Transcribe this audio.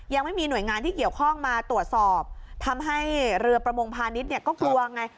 ยังไม่มีหน่วยงานที่เกี่ยวข้องมาตรวจสอบทำให้เรือประมงพาณิชย์เนี่ยก็กลัวไง